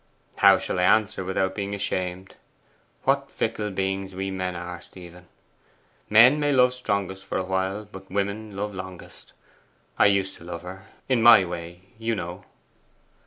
'How shall I answer without being ashamed? What fickle beings we men are, Stephen! Men may love strongest for a while, but women love longest. I used to love her in my way, you know.